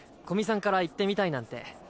古見さんから行ってみたいなんて。